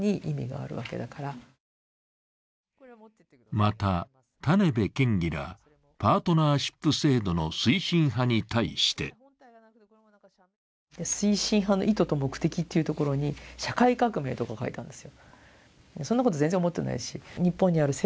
また、種部県議らパートナーシップ制度の推進派に対して推進派の意図と目的というところに社会革命とか書いてあるんですよ。